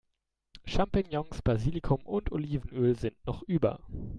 Champignons, Basilikum und Olivenöl sind noch über.